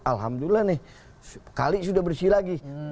alhamdulillah nih kali sudah bersih lagi